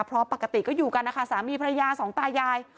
เพราะปกติก็อยู่กันนะคะสามีภรรยาสองตายาย